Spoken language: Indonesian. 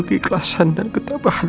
keikhlasan dan ketabahan